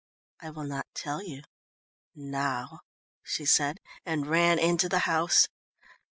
"I will not tell you now," she said, and ran into the house.